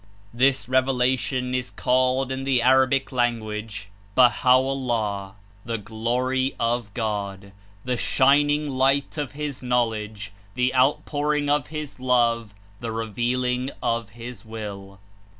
This Revelation is called in the Arabic language — Baha'o'llah, the Glory of God, the Shining Light of his Knowledge, the outpouring of his Love, the re vealing of his Will.